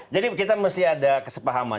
jadi kita mesti ada kesepakaman